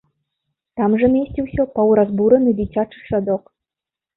Там жа месціўся паўразбураны дзіцячы садок.